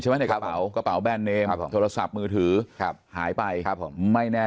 ในกระเป๋ากระเป๋าแบรนเนมโทรศัพท์มือถือครับหายไปครับผมไม่แน่